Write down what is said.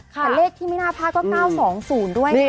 แต่เลขที่ไม่น่าพลาดก็๙๒๐ด้วยอยู่นะครับ